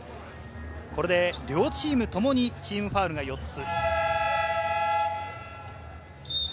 これで両チームともにチームファウルが４つ。